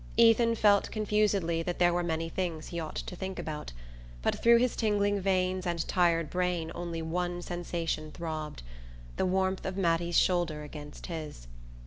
Ethan felt confusedly that there were many things he ought to think about, but through his tingling veins and tired brain only one sensation throbbed: the warmth of Mattie's shoulder against his.